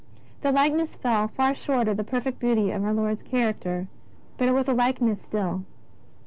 The likeness fell far short oi^ the perfect beauty of our Lord's character, but it wa3 a likeness still.